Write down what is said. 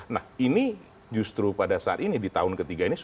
nah ini justru pada saat ini di tahun ketiga ini